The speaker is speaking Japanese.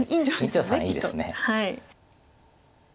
院長さんいいですね。